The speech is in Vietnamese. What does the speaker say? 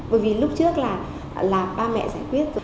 bởi vì lúc trước là ba mẹ giải quyết